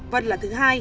vân là thứ hai